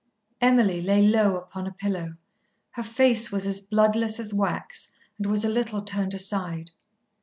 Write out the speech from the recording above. Emily lay low upon a pillow. Her face was as bloodless as wax and was a little turned aside.